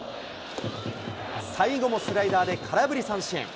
最後もスライダーで空振り三振。